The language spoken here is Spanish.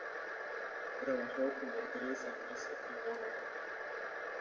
Trabajó como actriz en Niza y Mónaco.